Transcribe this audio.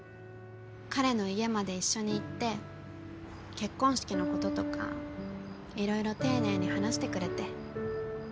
彼の家まで一緒に行って結婚式のこととかいろいろ丁寧に話してくれて。